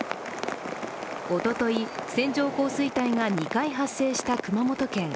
おととい線状降水帯が２回発生した熊本県。